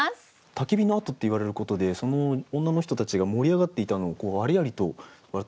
「焚き火の跡」って言われることで女の人たちが盛り上がっていたのをありありと私たちが想像できる。